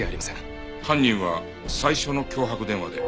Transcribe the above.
犯人は最初の脅迫電話で。